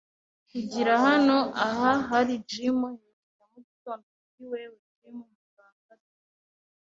Kugira hano. Ah, hari Jim! Hejuru ya mugitondo kuri wewe, Jim. Muganga, dore